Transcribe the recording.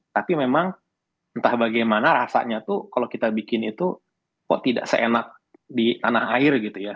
tapi memang entah bagaimana rasanya tuh kalau kita bikin itu kok tidak seenak di tanah air gitu ya